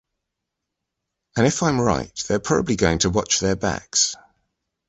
And if I am right, they are probably going to watch their backs.